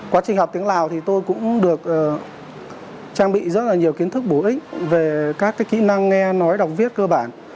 quá trình học tiếng lào thì tôi cũng được trang bị rất là nhiều kiến thức bổ ích về các kỹ năng nghe nói đọc viết cơ bản